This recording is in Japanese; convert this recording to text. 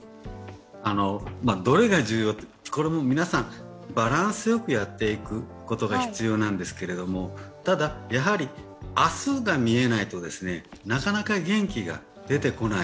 どれが重要って、これ皆さん、バランス良くやっていくことが必要なんですけれどもただ、明日が見えないと、なかなか元気が出てこない。